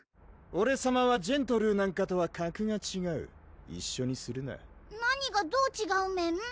オレさまはジェントルーなんかとは格がちがう一緒にするな何がどうちがうメン？